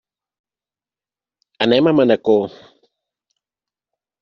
Anem a Manacor.